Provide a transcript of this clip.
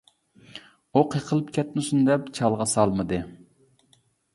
ئۇ قېقىلىپ كەتمىسۇن دەپ چالغا سالمىدى.